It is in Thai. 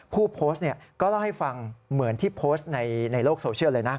ผู้โพสต์ก็เล่าให้ฟังเหมือนที่โพสต์ในโลกโซเชียลเลยนะ